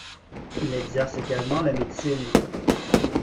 Il exerce également la médecine.